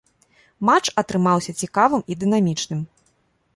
Матч атрымаўся цікавым і дынамічным.